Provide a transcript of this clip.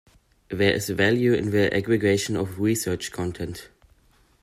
There is value in the aggregation of research content.